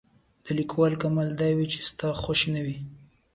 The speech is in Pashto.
د لیکوالۍ کمال دا وي چې ستا د خوښې نه وي.